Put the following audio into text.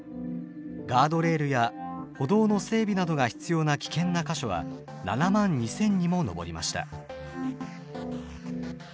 ガードレールや歩道の整備などが必要な危険な箇所は７万２，０００にも上りました。